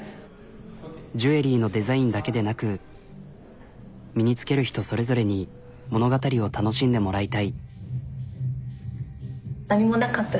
ジュエリーのデザインだけでなく身につける人それぞれに物語を楽しんでもらいたい。